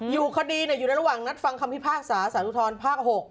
อยู่คดีอยู่ในระหว่างนัดฟังคำพิพากษาสารอุทธรภาค๖